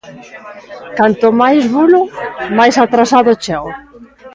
Canto mais bulo, máis atrasado chego